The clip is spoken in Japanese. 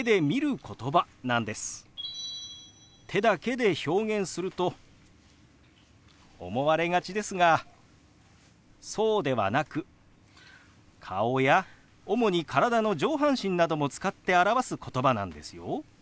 手だけで表現すると思われがちですがそうではなく顔や主に体の上半身なども使って表すことばなんですよ。